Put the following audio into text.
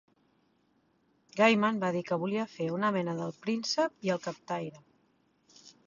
Gaiman va dir que volia fer una mena de El príncep i el captaire.